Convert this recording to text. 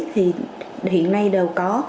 thì hiện nay đều có